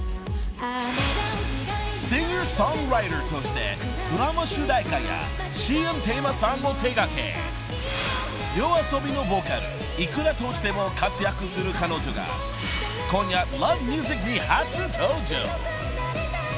［シンガー・ソングライターとしてドラマ主題歌やＣＭテーマソングを手掛けＹＯＡＳＯＢＩのボーカルｉｋｕｒａとしても活躍する彼女が今夜『Ｌｏｖｅｍｕｓｉｃ』に初登場］